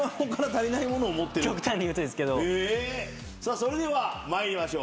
それでは参りましょう。